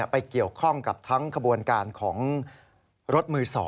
ไปเกี่ยวข้องกับทั้งขบวนการของรถมือ๒